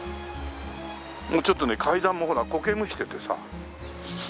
もうちょっとね階段もほら苔むしててさすごい。